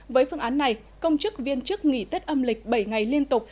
với phương án này công chức viên chức nghỉ tết âm lịch bảy ngày liên tục